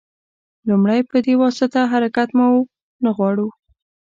لومړی په دې واسطه حرکت مو نه غواړو.